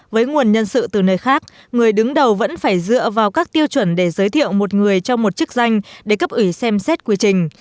với nguồn nhân sự từ nơi khác người đứng đầu vẫn phải dựa vào các tiêu chuẩn để giới thiệu một người cho một chức danh để cấp ủy xem xét quy trình